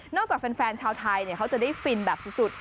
จากแฟนชาวไทยเขาจะได้ฟินแบบสุด